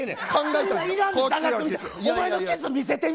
おまえのキス見せてみ。